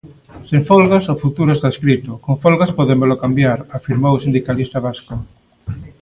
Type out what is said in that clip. Sen folgas o futuro está escrito, con folgas podémolo cambiar, afirmou o sindicalista vasco.